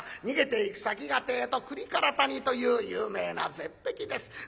逃げていく先がてえと倶利伽羅谷という有名な絶壁です。